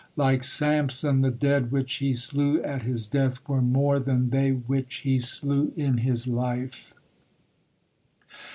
Like Samson, the dead which he slew at his death were more than they which he slew in his life.